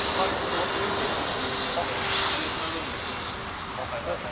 ここはオリンピックの競技場でカヌー・スラロームの競技が開催された。